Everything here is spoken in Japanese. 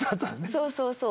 そうそうそう。